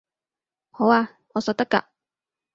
好吖，我實得㗎